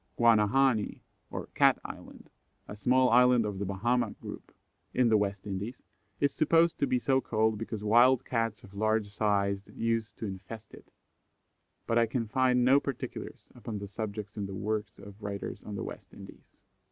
Guanahani, or Cat Island, a small island of the Bahama group, in the West Indies, is supposed to be so called because wild Cats of large size used to infest it, but I can find no particulars upon the subject in the works of writers on the West Indies.